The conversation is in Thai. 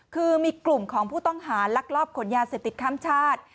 คือมีกลุ่มของผู้ต้องหาลักลอบขนยาเสพติดข้ามชาติ